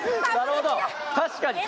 確かに。